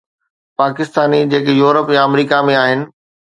پاڪستاني جيڪي يورپ يا آمريڪا ۾ آهن.